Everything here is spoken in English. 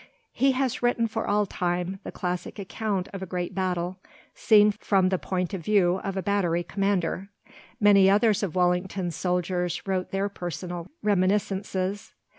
He has written for all time the classic account of a great battle, seen from the point of view of a battery commander. Many others of Wellington's soldiers wrote their personal reminiscences.